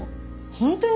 本当に？